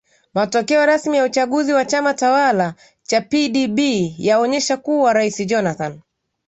matokeo rasmi ya uchaguzi wa chama tawala cha pdb yaonyesha kuwa rais jonathan